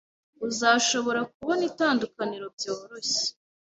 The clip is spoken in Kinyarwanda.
Uzashobora kubona itandukaniro byoroshye.